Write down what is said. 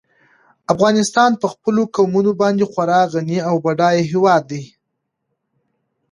افغانستان په خپلو قومونه باندې خورا غني او بډای هېواد دی.